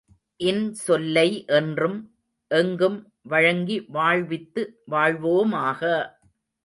இன்சொல்லை என்றும், எங்கும் வழங்கி வாழ்வித்து வாழ்வோமாக!